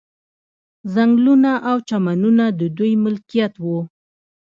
ځنګلونه او چمنونه د دوی ملکیت وو.